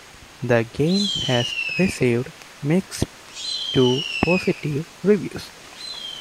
The game has received mixed to positive reviews.